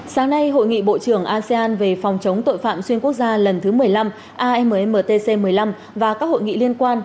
sáng nay hội nghị bộ trưởng asean về phòng chống tội phạm xuyên quốc gia lần thứ một mươi năm ammtc một mươi năm và các hội nghị liên quan